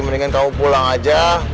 mendingan kamu pulang aja